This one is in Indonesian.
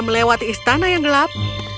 melewati istana yang gelap